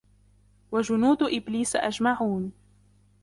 وَجُنُودُ إِبْلِيسَ أَجْمَعُونَ